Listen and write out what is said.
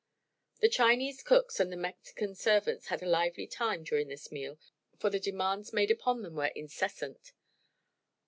The Chinese cooks and the Mexican servants had a lively time during this meal, for the demands made upon them were incessant.